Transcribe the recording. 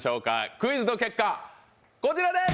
クイズの結果、こちらです！